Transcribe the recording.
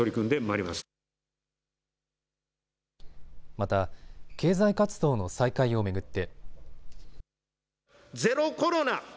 また経済活動の再開を巡って。